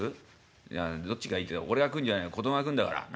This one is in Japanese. いやどっちがいいって俺が食うんじゃない子供が食うんだからな？